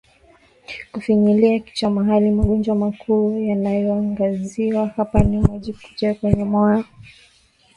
kufinyilia kichwa mahali Magonjwa makuu yanayoangaziwa hapa ni maji kujaa kwenye moyo